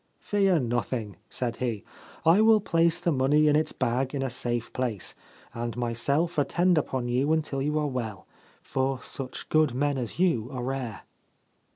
' Fear nothing/ said he : f I will place the money in its bag in a safe place, and myself attend upon you until you are well, for such good men as you are rare.'